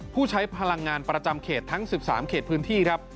ผู้ใช้พลังงานประจำเขตทั้ง๑๓เขตพื้นที่ครับ